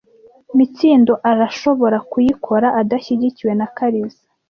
Mitsindo arashobora kuyikora adashyigikiwe na Kariza .